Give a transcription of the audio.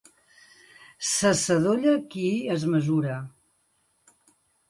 Se sadolla qui es mesura.